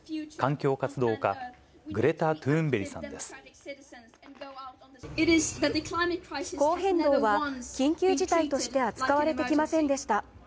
気候変動は緊急事態として扱われてきませんでした。